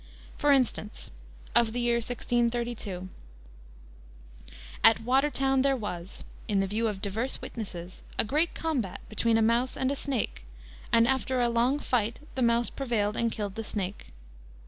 For instance, of the year 1632: "At Watertown there was (in the view of divers witnesses) a great combat between a mouse and a snake, and after a long fight the mouse prevailed and killed the snake.